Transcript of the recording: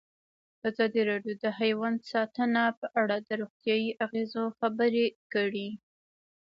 ازادي راډیو د حیوان ساتنه په اړه د روغتیایي اغېزو خبره کړې.